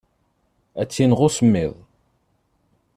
Ad t-ineɣ usemmiḍ.